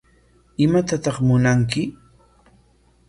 ¿Imatataq munanki?